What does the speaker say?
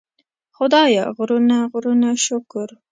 خدایه غرونه غرونه شکر.